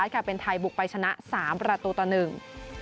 ได้กลับเป็นไทยบุกไปชนะ๓ประตูต่อหนึ่ง